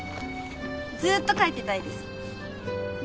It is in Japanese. ずっと描いてたいです。